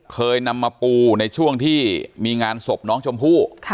เคยนำมาปูในช่วงที่มีงานศพน้องชมพู่